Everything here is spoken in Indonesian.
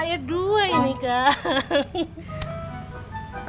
ya dua ini kang